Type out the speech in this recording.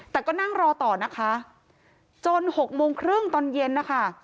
แต่ก็นั่งรอต่อนะคะจนหกโมงครึ่งตอนเย็นนะคะ